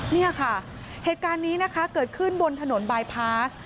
นี่ค่ะเหตุการณ์นี้นะคะเกิดขึ้นบนถนนบายพาส